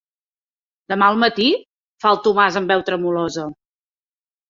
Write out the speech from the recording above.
Demà al matí? –fa el Tomàs amb veu tremolosa.